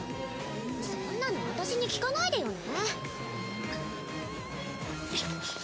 そんなの私に聞かないでよね。